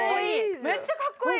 めっちゃかっこいい！